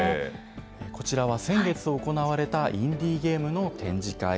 こちらは、先月行われたインディーゲームの展示会。